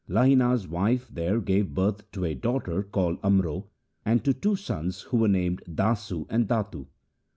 Lahina's wife there gave birth to a daughter called Amro and to two sons who were named Dasu and Datu.